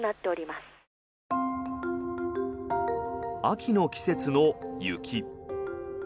秋の季節の雪。